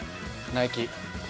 ナイキ。